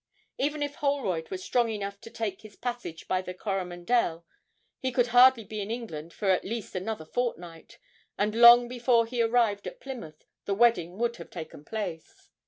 Even if Holroyd were strong enough to take his passage by the 'Coromandel,' he could hardly be in England for at least another fortnight, and long before he arrived at Plymouth the wedding would have taken place.